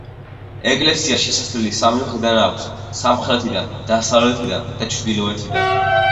ეკლესიას შესასვლელი სამი მხრიდან აქვს: სამხრეთიდან, დასავლეთიდან და ჩრდილოეთიდან.